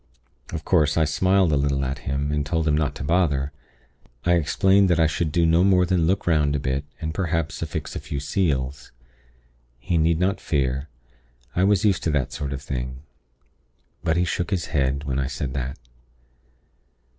"Of course, I smiled a little at him, and told him not to bother. I explained that I should do no more than look 'round a bit, and, perhaps, affix a few seals. He need not fear; I was used to that sort of thing. But he shook his head when I said that.